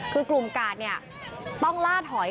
คือกลุ่มกาดเนี่ยต้องลาถอย